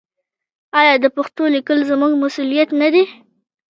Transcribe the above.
آیا د پښتو لیکل زموږ مسوولیت نه دی؟